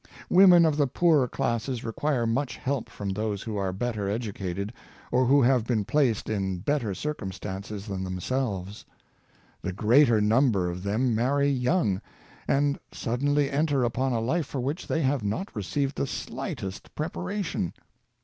Women of the poorer classes require much help from those who are better educated, or who have been placed in better circum stances than themselves. The greater number of them marry young, and suddenly enter upon a life for which they have not received the slightest preparation.